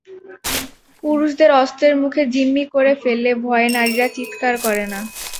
পুরুষদের অস্ত্রের মুখে জিম্মি করে ফেললে ভয়ে নারীরা চিৎকার করে না।